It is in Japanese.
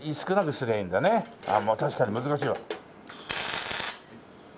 確かに難しいわ。